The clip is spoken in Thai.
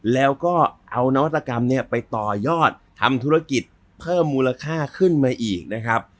แล้วก็เอานวัตกรรมเนี่ยไปต่อยอดทำธุรกิจเพิ่มมูลค่าขึ้นมาอีกนะครับ